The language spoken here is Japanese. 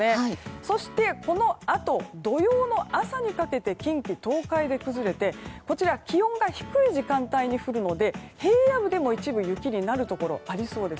そして、このあと土曜の朝にかけて近畿・東海で崩れて気温が低い時間帯に平野部でも一部雪になるところありそうです。